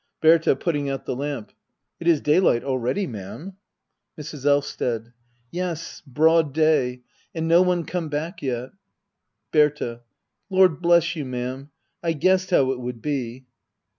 Berta. [Putting out the lamp,] It is daylight already, ma'am. Mrs. Elvsted. Yes, broad day ! And no one come back yei . Berta. Lord bless you, ma'am — I guessed how it would be.